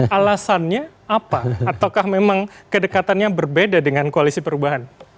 alasannya apa ataukah memang kedekatannya berbeda dengan koalisi perubahan